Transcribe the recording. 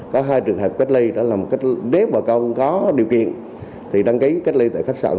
có hai trường hợp cách ly đó là một nếu bà con có điều kiện thì đăng ký cách ly tại khách sạn